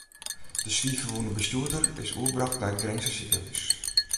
De swier ferwûne bestjoerder is oerbrocht nei it Grinzer sikehús.